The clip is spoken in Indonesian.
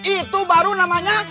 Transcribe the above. itu baru namanya